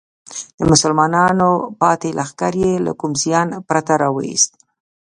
د مسلمانانو پاتې لښکر یې له کوم زیان پرته راوویست.